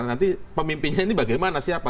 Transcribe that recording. nanti pemimpinnya ini bagaimana sih apa